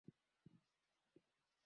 Mwambie mtu afungue mlango huo